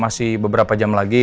masih beberapa jam lagi